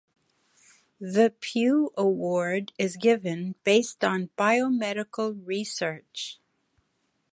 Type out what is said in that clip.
The Pew Award is given based on biomedical research.